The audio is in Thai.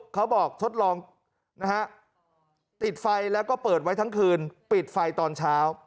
เขาบอกทดลองนะฮะติดไฟแล้วก็เปิดไว้ทั้งคืนปิดไฟตอนเช้า